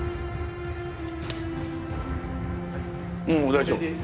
もう大丈夫？